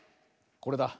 これだ。